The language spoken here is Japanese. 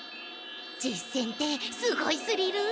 実戦ってすごいスリル。